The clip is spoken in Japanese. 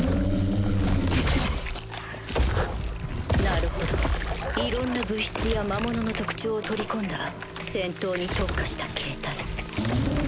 なるほどいろんな物質や魔物の特徴を取り込んだ戦闘に特化した形態。